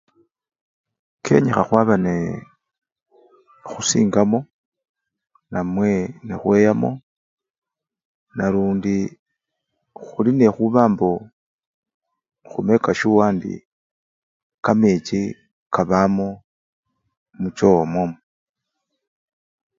Kenyikhana khwaba nekhusingamo namwe nekhweyamo nalundi khuli nekhuba mbo khumeka shuwa ndi kamechi kabamo muchoo omwomwo.